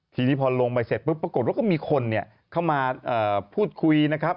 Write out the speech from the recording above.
ทีนี้พอลงไปเสร็จปุ๊บปรากฏว่าก็มีคนเข้ามาพูดคุยนะครับ